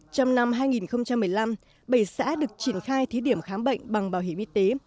trong năm hai nghìn một mươi năm bảy xã được triển khai thí điểm khám bệnh bằng bảo hiểm y tế